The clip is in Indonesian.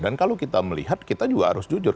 dan kalau kita melihat kita juga harus jujur